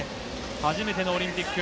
初めてのオリンピック。